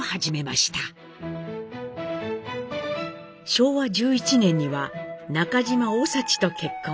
昭和１１年には中島オサチと結婚。